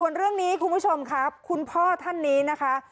ส่วนเรื่องนี้คุณผู้ชมครับคุณพ่อท่านนี้นะคะ